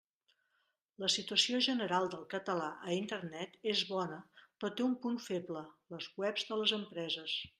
La situació general del català a Internet és bona però té un punt feble, les webs de les empreses.